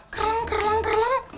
kerleng kerleng kerleng